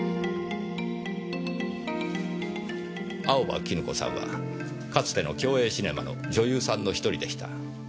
青葉絹子さんはかつての共映シネマの女優さんの１人でした。